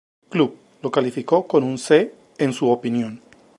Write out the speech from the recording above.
Club" lo calificó con un "C" en su opinión.